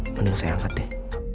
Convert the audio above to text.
mending saya angkat deh